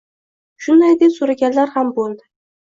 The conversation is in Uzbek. shunday deb so‘raganlar ham bo‘ldi.